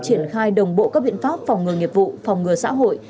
triển khai đồng bộ các biện pháp phòng ngừa nghiệp vụ phòng ngừa xã hội